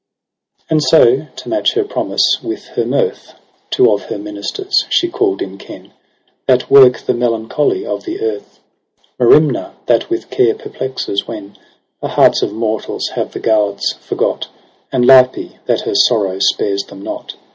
And so, to match her promise with her mirth. Two of her ministers she call'd in ken. That work the melancholy of the earth j Merimna that with care perplexes, when The hearts of mortals have the gods forgot. And LYPfe, that her sorrow spares them not.